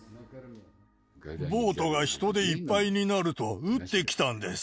ボートが人でいっぱいになると、撃ってきたんです。